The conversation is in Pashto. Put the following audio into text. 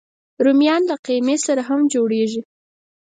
رومیان له قیمې سره هم جوړېږي